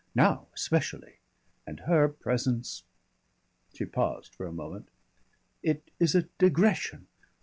Now especially. And her presence " She paused for a moment. "It is a digression.